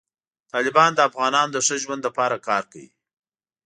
طالبان د افغانانو د ښه ژوند لپاره کار کوي.